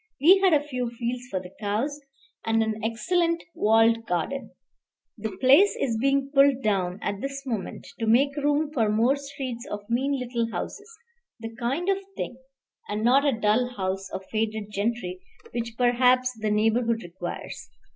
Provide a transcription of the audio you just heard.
We had a few fields for the cows, and an excellent walled garden. The place is being pulled down at this moment to make room for more streets of mean little houses, the kind of thing, and not a dull house of faded gentry, which perhaps the neighborhood requires.